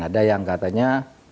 ada yang katanya